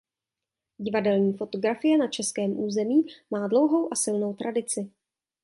Divadelní fotografie na českém území má dlouhou a silnou tradici.